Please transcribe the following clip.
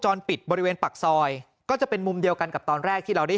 ปิดบริเวณปากซอยก็จะเป็นมุมเดียวกันกับตอนแรกที่เราได้